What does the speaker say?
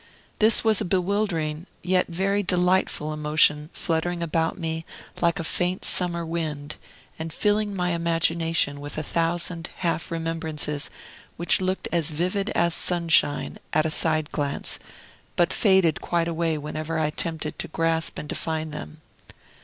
This was a bewildering, yet very delightful emotion fluttering about me like a faint summer wind, and filling my imagination with a thousand half remembrances, which looked as vivid as sunshine, at a side glance, but faded quite away whenever I attempted to grasp and define them.